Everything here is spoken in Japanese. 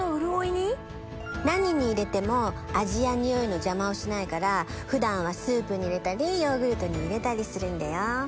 何に入れても味や匂いの邪魔をしないから普段はスープに入れたりヨーグルトに入れたりするんだよ。